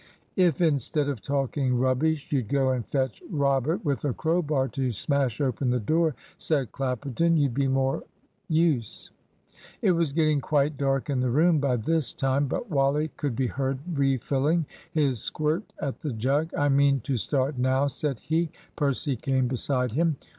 "If, instead of talking rubbish, you'd go and fetch Robert with a crowbar to smash open the door," said Clapperton, "you'd be more use." It was getting quite dark in the room by this time, but Wally could be heard refilling his squirt at the jug, "I mean to start now," said he. Percy came beside him.